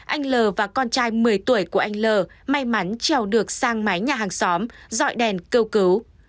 anh lờ và con trai một mươi tuổi của anh lờ may mắn treo được sang mái nhà hàng xóm dọi đèn kêu cứu